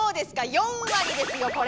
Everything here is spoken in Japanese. ４割ですよこれ！